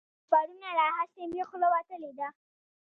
له پرونه راهسې مې خوله وتلې ده.